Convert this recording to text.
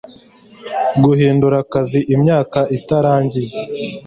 guhindura akazi imyaka itarangiye